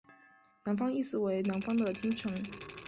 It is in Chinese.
南京意思为南方的京城。